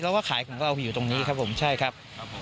เพราะว่าขายของเราอยู่ตรงนี้ครับผมใช่ครับผม